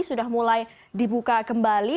sudah mulai dibuka kembali